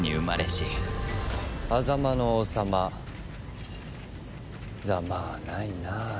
狭間の王様ざまあないなあ。